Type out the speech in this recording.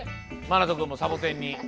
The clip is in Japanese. まなとくんもサボテンに。